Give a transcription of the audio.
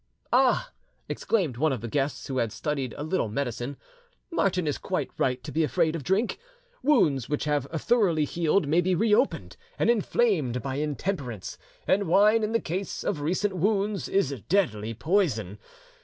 "Ah!" exclaimed one of the guests, who had studied a little medicine, "Martin is quite right to be afraid of drink. Wounds which have thoroughly healed may be reopened and inflamed by intemperance, and wine in the case of recent wounds is deadly poison.